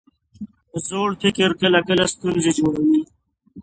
زوړ فکر کله کله ستونزې جوړوي.